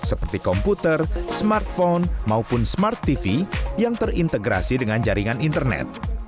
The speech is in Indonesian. seperti komputer smartphone maupun smart tv yang terintegrasi dengan jaringan internet